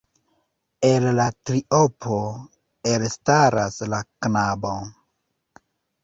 El la triopo elstaras la knabo.